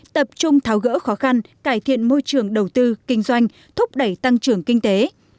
tập trung tháo gỡ khó khăn cải thiện môi trường đầu tư kinh doanh thúc đẩy tăng trưởng kinh tế